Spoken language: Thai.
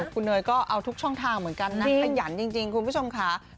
คุณเนยก็เอาทุกช่องทางเหมือนกันนะขยันจริงคุณผู้ชมค่ะ